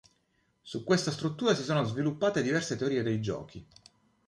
Su questa struttura si sono sviluppate diverse teorie dei giochi.